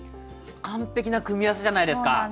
完璧な組み合わせじゃないですか。